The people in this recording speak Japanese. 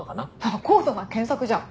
もう高度な検索じゃん。